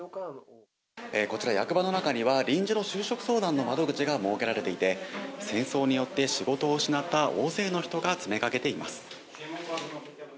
こちら、役場の中には臨時の就職相談の窓口が設けられていて戦争によって仕事を失った大勢の人が詰めかけています。